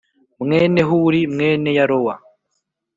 mwene Huri mwene Yarowa